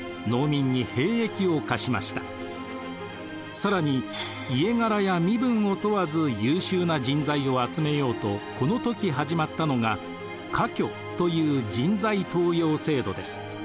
更に家柄や身分を問わず優秀な人材を集めようとこの時始まったのが「科挙」という人材登用制度です。